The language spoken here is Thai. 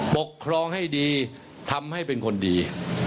ปกครองให้ดีทำให้เป็นคนดี